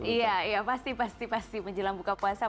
iya iya pasti pasti menjelang buka puasa